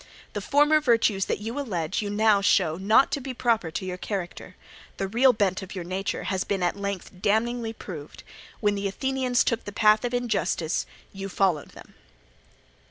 The former virtues that you allege you now show not to be proper to your character; the real bent of your nature has been at length damningly proved: when the Athenians took the path of injustice you followed them.